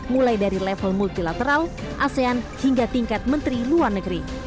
mulai dari level multilateral asean hingga tingkat menteri luar negeri